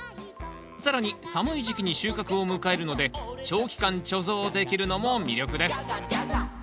更に寒い時期に収穫を迎えるので長期間貯蔵できるのも魅力です。